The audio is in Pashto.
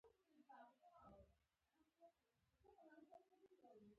په غرمه کښېنه، لمر تود دی.